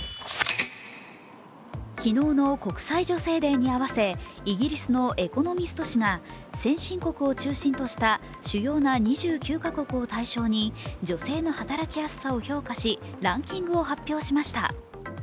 昨日の国際女性デーに合わせイギリスの「エコノミスト」誌が先進国を中心とした主要な２９か国を対象に女性の働きやすさを評価しランキングを発表しました。